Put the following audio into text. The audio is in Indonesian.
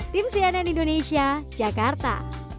tim cnn indonesia jakarta